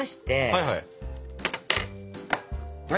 はいはい。